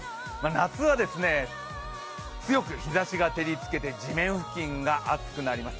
夏は強く日ざしが照りつけて地面付近が熱くなります。